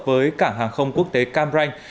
với cảng hàng không quốc tế cam ranh